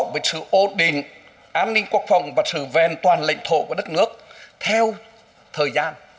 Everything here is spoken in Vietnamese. với sự ổn định về an ninh quốc phòng và sự vẹn toàn lệnh thổ của đất nước theo thời gian